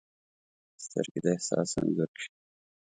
سترګې د احساس انځور کښي